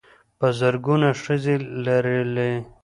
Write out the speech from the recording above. په زرګونه ښځې لرلې.